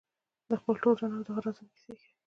د خپل ټول ژوند او د هغه رازونو کیسې کوي.